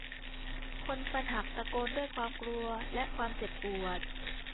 คนฟันหักตะโกนด้วยความกลัวและความเจ็บปวด